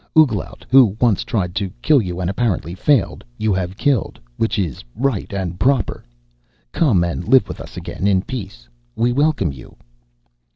Ouglat, who once tried to kill you and apparently failed, you have killed, which is right and proper. Come and live with us again in peace. We welcome you."